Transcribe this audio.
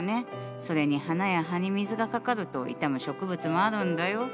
それに花や葉に水がかかると傷む植物もあるんだよ。